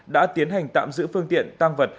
đã tiến hành tạm giữ phương tiện tăng vật